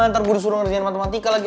ntar guru suruh ngerjain matematika lagi